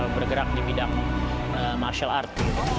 bergerak di bidang martial art